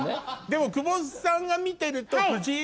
でも久保さんが見てると。